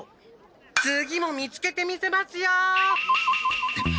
次も見つけてみせますよ。